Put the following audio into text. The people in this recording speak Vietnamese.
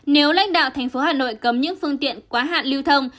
nếu lãnh đạo thành phố hà nội cấm những phương tiện quá hạn lưu thông